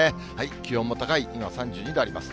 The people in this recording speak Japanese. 気温も高い、今、３２度あります。